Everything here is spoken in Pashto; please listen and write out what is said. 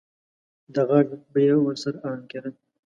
د غاښ درد به یې ورسره ارام کېده.